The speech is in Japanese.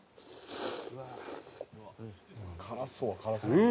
辛そうは辛そう。